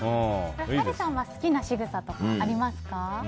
波瑠さんは好きなしぐさとかありますか？